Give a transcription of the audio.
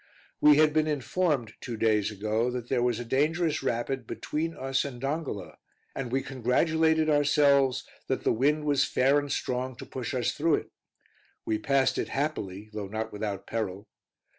We had been informed, two days ago, that there was a dangerous rapid between us and Dongola, and we congratulated ourselves that the wind was fair and strong to push us through it; we passed it happily, though not without peril.